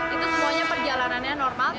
itu semuanya perjalanannya normal